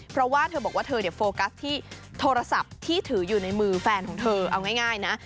เพราะว่าเธอบอกว่าเธอโฟกัสที่โทรศัพท์ที่ถืออยู่ในมือแฟนของเธอเอาง่ายนะ